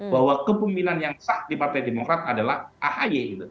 bahwa kepemilinan yang sah di partai demokrat adalah ahaye